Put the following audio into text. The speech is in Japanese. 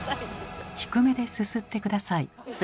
低めですすって下さい。